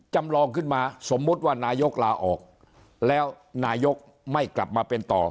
จำลองขึ้นมาสมมุติว่านายกลาออกแล้วนายกไม่กลับมาเป็นต่อ